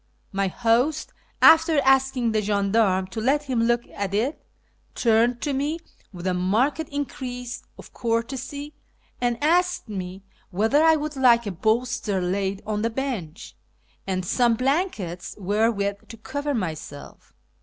My host, after asking the gendarme to let him look at it, turned to me with a marked increase of courtesy, and asked me whether I would like a bolster laid on the bench and some blankets wherewith to cover myself.